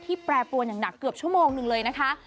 แปรปวนอย่างหนักเกือบชั่วโมงหนึ่งเลยนะคะ